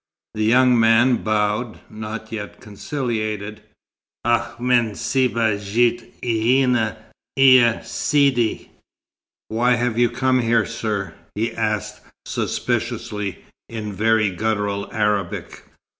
The young man bowed, not yet conciliated. "Ach men sebba jit lhena, ia Sidi? Why have you come here, sir?" he asked suspiciously, in very guttural Arabic.